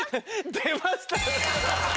出ましたね。